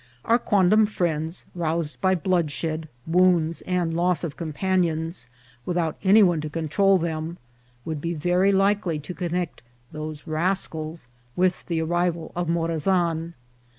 Our quondam friends, roused by bloodshed, wounds, and loss of companions, without any one to control them> APPEARANCE OP MORAZAN. 85 would be very likely to connect " those rascals" with the arrival of Morazan.